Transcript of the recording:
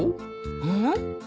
うん？